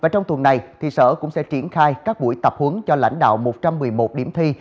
trong tuần này sở cũng sẽ triển khai các buổi tập huấn cho lãnh đạo một trăm một mươi một điểm thi